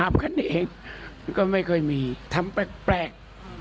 กันเองก็ไม่ค่อยมีทำแปลก